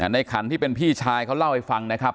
ขันที่เป็นพี่ชายเขาเล่าให้ฟังนะครับ